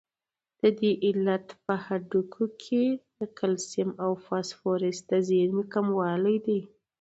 د دې علت په هډوکو کې د کلسیم او فاسفورس د زیرمې کموالی دی.